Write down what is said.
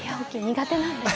苦手なんです。